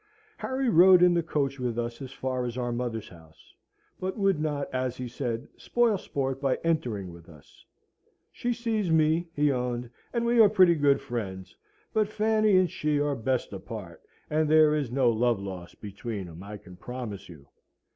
Harry rode in the coach with us as far as our mother's house; but would not, as he said, spoil sport by entering with us. "She sees me," he owned, "and we are pretty good friends; but Fanny and she are best apart; and there is no love lost between 'em, I can promise you.